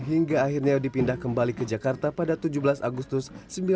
hingga akhirnya dipindah kembali ke jakarta pada tujuh belas agustus